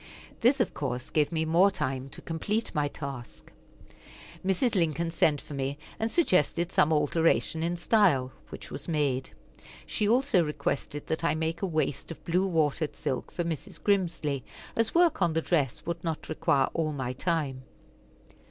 This, of course, gave me more time to complete my task. Mrs. Lincoln sent for me, and suggested some alteration in style, which was made. She also requested that I make a waist of blue watered silk for Mrs. Grimsly, as work on the dress would not require all my time.